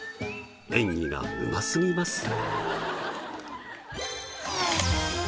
演技がうますぎます。